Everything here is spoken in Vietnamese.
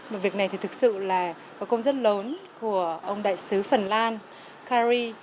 và việc này thực sự là một trong những thành phố rất vinh dự